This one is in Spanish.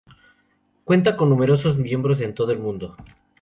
Cuenta con numerosos miembros en todo el mundo.